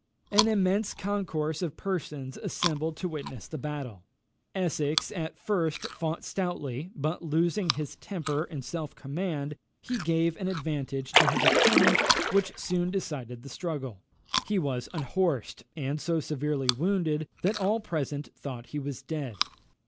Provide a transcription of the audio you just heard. An immense concourse of persons assembled to witness the battle. Essex at first fought stoutly, but, losing his temper and self command, he gave an advantage to his opponent which soon decided the struggle. He was unhorsed, and so severely wounded, that all present thought he was dead.